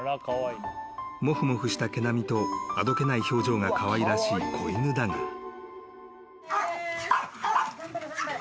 ［もふもふした毛並みとあどけない表情がかわいらしい子犬だが］